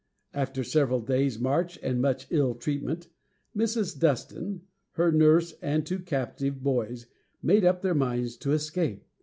After several days' march and much ill treatment Mrs. Dustin, her nurse, and two captive boys made up their minds to escape.